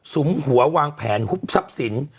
สุมหัววางแผนซับสิน